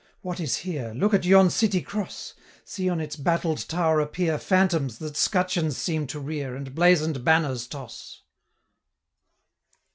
What is here! Look at yon City Cross! 705 See on its battled tower appear Phantoms, that scutcheons seem to rear, And blazon'd banners toss!'